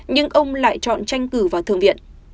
nhưng ông lại chọn tranh cử vào thượng viện